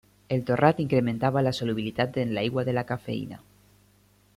El torrat incrementava la solubilitat en l'aigua de la cafeïna.